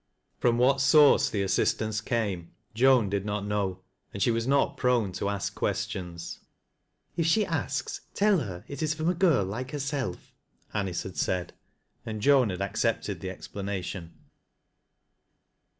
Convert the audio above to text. From what source the assist ance came, Joan did not know, and she was not prone tc ask questions. " If she asks, tell her it is from a girl like hei self," Anice had said, and Joan had accepted the explanation.